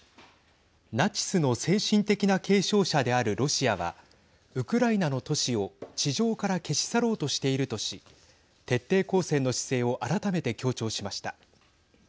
ナチスの精神的な継承者であるロシアはウクライナの都市を地上から消し去ろうとしているとし徹底抗戦の姿勢を改めて強調しました。